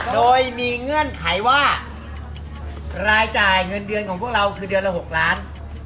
โดยมีเงื่อนไขว่ารายจ่ายเงินเดือนของพวกเราคือเดือนละ๖ล้าน